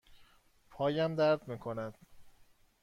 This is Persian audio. پایم درد می کند.